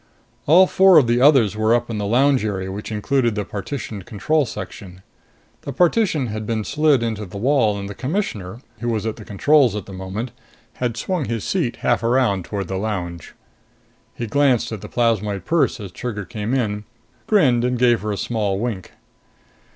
All four of the others were up in the lounge area which included the partitioned control section. The partition had been slid into the wall and the Commissioner, who was at the controls at the moment, had swung his seat half around toward the lounge. He glanced at the plasmoid purse as Trigger came in, grinned and gave her a small wink.